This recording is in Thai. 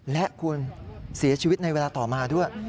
และคุณเสียชีวิตในเวลาต่อมาด้วย